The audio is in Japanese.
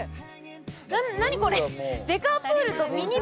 何これ。